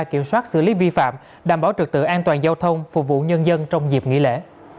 kiểm soát xử lý vi phạm đảm bảo trực tự an toàn giao thông phục vụ nhân dân trong dịp nghỉ lễ